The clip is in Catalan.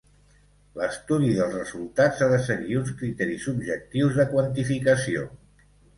L'estudi dels resultats ha de seguir uns criteris objectius de quantificació.